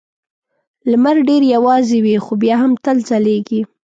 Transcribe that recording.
لمر ډېر یوازې وي خو بیا هم تل ځلېږي.